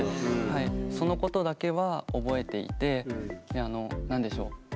そのことだけは覚えていて何でしょう。